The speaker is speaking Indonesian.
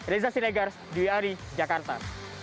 reza siregar dwi ari jakarta